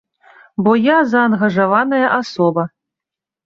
Бо я заангажаваная асоба.